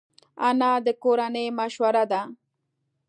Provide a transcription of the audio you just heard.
انا د کورنۍ مشوره ده